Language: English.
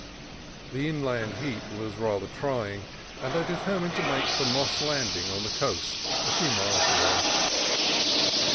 The inland heat was rather trying, and I deter mined to make for Moss Landing, on the coast, a few miles away.